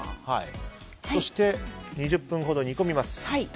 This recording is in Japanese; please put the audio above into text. そして、２０分ほど煮込みます。